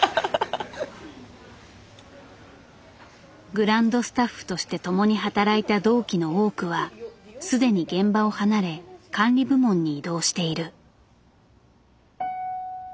グランドスタッフとして共に働いた同期の多くは既に現場を離れ管理部門に異動している。